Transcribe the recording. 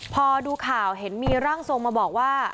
พอดูข่าวเห็นมีร่างทรงมาบอกว่า